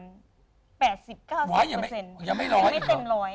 ยังไม่ร้อย